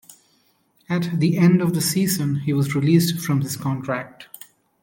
At the end of the season, he was released from his contract.